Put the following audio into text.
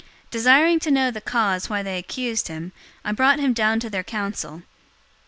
023:028 Desiring to know the cause why they accused him, I brought him down to their council.